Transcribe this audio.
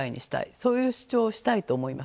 そういう主張をしたいと思います。